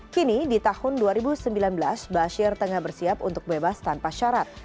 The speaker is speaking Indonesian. kini di tahun dua ribu sembilan belas bashir tengah bersiap untuk bebas tanpa syarat